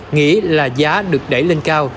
nghĩ là giá được đẩy lên cao